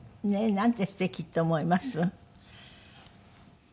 なんてすてきと思います。